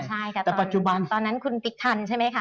ใช่ค่ะตอนนั้นคุณติดทันใช่ไหมคะ